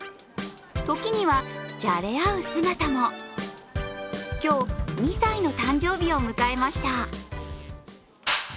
時には、じゃれ合う姿も今日、２歳の誕生日を迎えました。